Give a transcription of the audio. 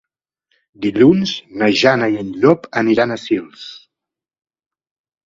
Dilluns na Jana i en Llop aniran a Sils.